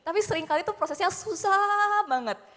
tapi seringkali itu prosesnya susah banget